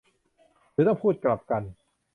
หรือต้องพูดกลับกัน ?